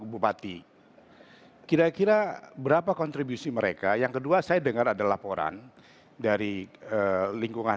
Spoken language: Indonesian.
bupati kira kira berapa kontribusi mereka yang kedua saya dengar ada laporan dari lingkungan